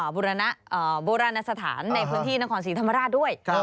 โบราณสถานในพื้นที่นครศรีธรรมราชด้วย